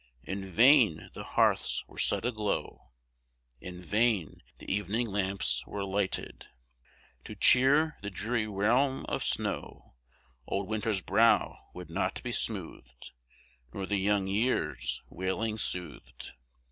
In vain the hearths were set aglow, In vain the evening lamps were lighted, To cheer the dreary realm of snow: Old Winter's brow would not be smoothed, Nor the young Year's wailing soothed.